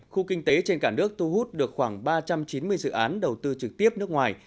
khu kinh tế trên cả nước thu hút được khoảng ba trăm chín mươi dự án đầu tư trực tiếp nước ngoài